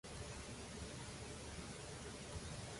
D'estil postmodernista imperial en les façanes.